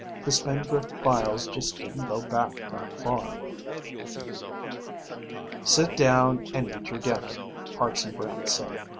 The Spindrift files just didn't go back that far. "Sit down and eat your dinner," Hartson Brant said.